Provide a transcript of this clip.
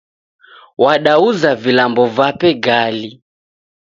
W'adeuza vilambo vape ghali